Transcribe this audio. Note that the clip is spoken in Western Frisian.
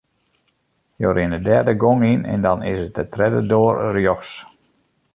Jo rinne dêr de gong yn en dan is it de tredde doar rjochts.